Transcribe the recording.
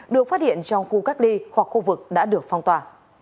được phát hiện trong khu cách ly hoặc khu vực đã được phong tỏa